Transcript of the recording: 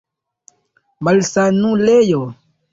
malsanulejo